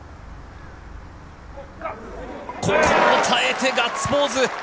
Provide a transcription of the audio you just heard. ここも耐えてガッツポーズ。